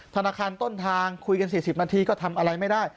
ธนาคารต้นทางคุยกัน๔๐นาทีก็ทำอะไรไม่ได้